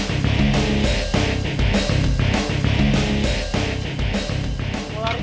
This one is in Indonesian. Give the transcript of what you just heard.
ian dikeroyokin sama rio